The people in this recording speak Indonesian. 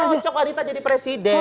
cocok wanita jadi presiden